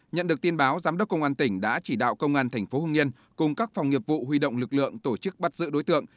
nhận được tin báo giám đốc công an tỉnh đã chỉ đạo công an thành phố hưng yên cùng các phòng nghiệp vụ huy động lực lượng tổ chức bắt giữ đối tượng